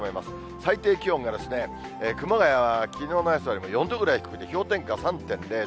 最低気温が熊谷はきのうの朝よりも４度ぐらい低くて、氷点下３．０度。